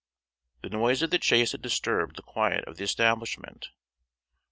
The noise of the chaise had disturbed the quiet of the establishment.